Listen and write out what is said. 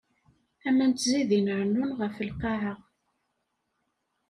Aman ttzidin rennun ɣef lqaɛa.